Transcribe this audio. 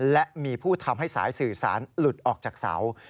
และมีผู้ทำให้สายสื่อสารหลุดออกจากเสา